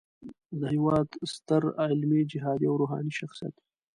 د هیواد ستر علمي، جهادي او روحاني شخصیت